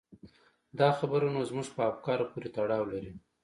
دا خبره نو زموږ په افکارو پورې تړاو لري.